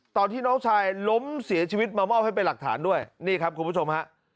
ตอนที่น้องชายล้มเสียชีวิตมามอบให้เป็นหลักฐานด้วยนี่ครับคุณผู้ชมฮะ